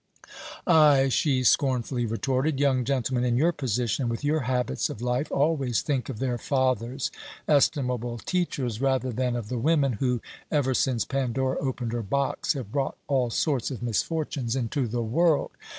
"Ay," she scornfully retorted, "young gentlemen in your position, and with your habits of life, always think of their fathers estimable teachers rather than of the women who, ever since Pandora opened her box, have brought all sorts of misfortunes into the world.